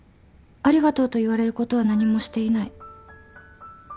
「ありがとう」と言われることは何もしていない。